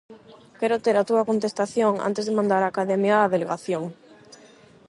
Quero ter a túa contestación antes de mandar a Academia a delegación.